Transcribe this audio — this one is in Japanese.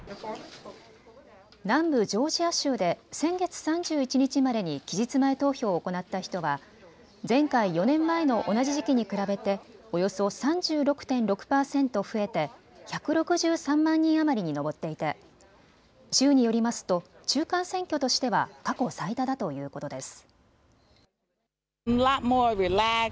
南部ジョージア州で先月３１日までに期日前投票を行った人は前回・４年前の同じ時期に比べておよそ３６．６％増えて１６３万人余りに上っていて州によりますと中間選挙としては過去最多だということです。